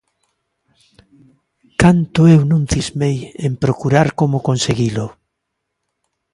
Canto eu non cismei en procurar como conseguilo.